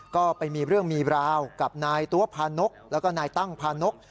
ก็ไปมีเรื่องมีราวกับนายตัวพานกแล้วก็นายตั้งพานก